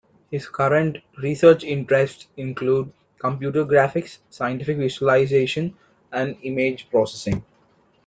His current research interests include computer graphics, scientific visualization, and image processing.